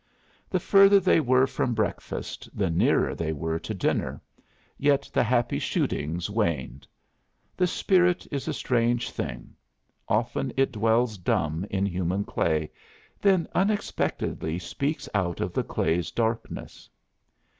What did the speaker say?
The further they were from breakfast the nearer they were to dinner; yet the happy shootings waned! The spirit is a strange thing. Often it dwells dumb in human clay, then unexpectedly speaks out of the clay's darkness.